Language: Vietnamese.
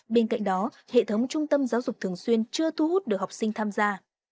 bên cạnh đó hệ thống trung tâm giáo dục thường xuyên chưa thu hút được học sinh tham gia